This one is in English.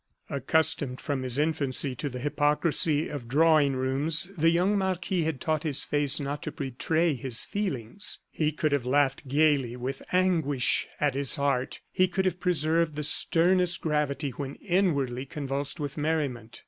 Accustomed from his infancy to the hypocrisy of drawing rooms, the young marquis had taught his face not to betray his feelings. He could have laughed gayly with anguish at his heart; he could have preserved the sternest gravity when inwardly convulsed with merriment.